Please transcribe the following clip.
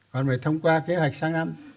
còn phải thông qua kế hoạch sáng năm